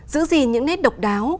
giữ gì những nét độc đáo